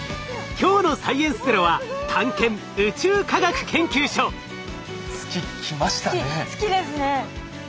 今日の「サイエンスＺＥＲＯ」は月ですね。